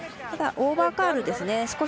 オーバーカールですね。